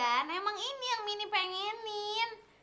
nah emang ini yang mini pengenin